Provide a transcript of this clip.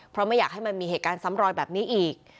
เพราะไม่อยากให้มันมีเหตุการณ์ซ้ำรอยแบบนี้อีก